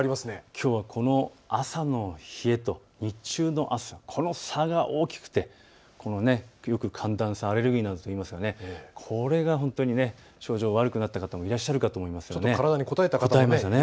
きょうはこの朝の冷えと日中の暑さ、この差が大きくてよく寒暖差アレルギーなどといいますがこれが本当に症状悪くなった方もいらっしゃるかと思います。